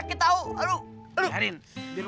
itu kan suaranya opi